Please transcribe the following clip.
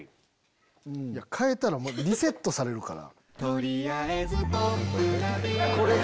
変えたらリセットされるから。